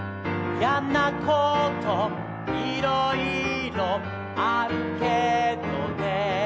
「やなこといろいろあるけどね」